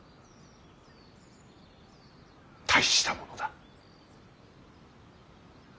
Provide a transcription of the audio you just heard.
大したものだ。